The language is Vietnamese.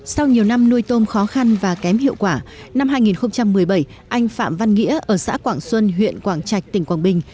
sau nhiều năm nuôi tôm khó khăn và kém hiệu quả năm hai nghìn một mươi bảy anh phạm văn nghĩa ở xã quảng xuân huyện quảng trạch tỉnh quảng bình